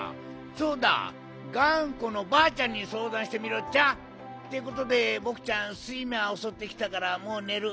そうだがんこのばあちゃんにそうだんしてみるっちゃ。ってことでぼくちゃんすいまおそってきたからもうねる。